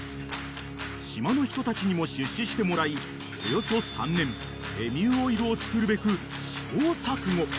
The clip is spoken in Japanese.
［島の人たちにも出資してもらいおよそ３年エミューオイルを作るべく試行錯誤］